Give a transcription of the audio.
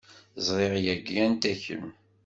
Ẓriɣ yagi anta kemm.